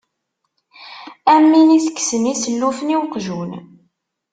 Am win itekksen isellufen i uqjun.